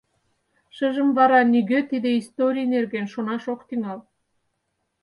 «Шыжым вара нигӧ тиде историй нерген шонаш ок тӱҥал.